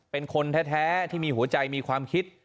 เป็นคนแท้ที่มีหัวใจมีความคิด